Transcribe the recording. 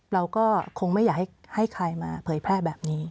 เราก็คงไม่อยากให้ใครมาเผยแพร่แบบนี้